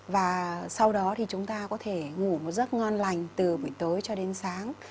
và sau đó thì chúng ta có thể ngủ một giấc ngon lành từ buổi tối cho đến sáng